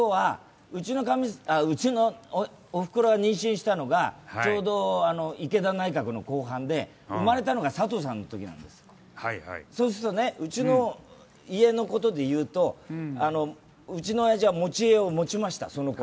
うちのおふくろが妊娠したのがちょうど池田内閣の後半で、生まれたのが佐藤さんのときなんです、そうすると、うちの家のことで言うとうちのおやじは持ち家をそのころ持ちました。